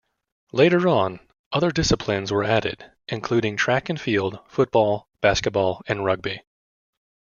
Later on, other disciplines were added, including track and field, football, basketball and rugby.